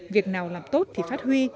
việc nào làm tốt thì phát huy